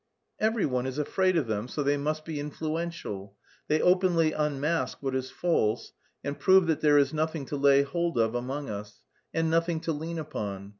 "Every one is afraid of them, so they must be influential. They openly unmask what is false and prove that there is nothing to lay hold of among us, and nothing to lean upon.